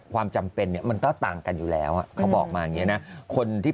ความจำเป็นเนี่ยมันก็ต่างกันอยู่แล้วเขาบอกมาอย่างนี้นะคนที่